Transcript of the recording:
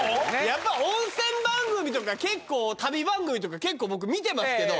やっぱ温泉番組とか旅番組とか結構僕見てますけど。